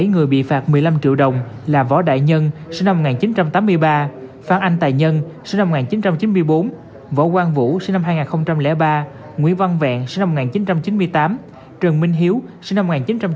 bảy người bị phạt một mươi năm triệu đồng là võ đại nhân sinh năm một nghìn chín trăm tám mươi ba phan anh tài nhân sinh năm một nghìn chín trăm chín mươi bốn võ quang vũ sinh năm hai nghìn ba nguyễn văn vẹn sinh năm một nghìn chín trăm chín mươi tám trần minh hiếu sinh năm một nghìn chín trăm tám mươi